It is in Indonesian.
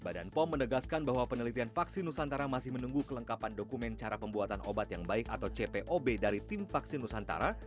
badan pom menegaskan bahwa penelitian vaksin nusantara masih menunggu kelengkapan dokumen cara pembuatan obat yang baik atau cpob dari tim vaksin nusantara